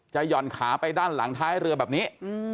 หย่อนขาไปด้านหลังท้ายเรือแบบนี้